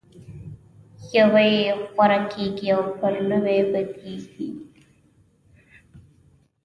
یوه یې غوره کېږي او پر نوې پدیدې اطلاق کېږي.